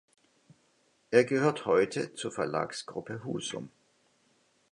Er gehört heute zur Verlagsgruppe Husum.